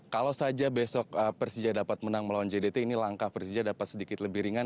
kalau saja besok persija dapat menang melawan jdt ini langkah persija dapat sedikit lebih ringan